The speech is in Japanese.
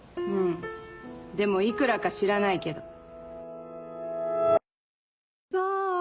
うんでも幾らか知らないけど。